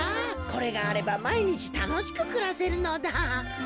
これがあればまいにちたのしくくらせるのだ。